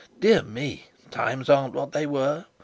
Dear me! Times aren't what they were.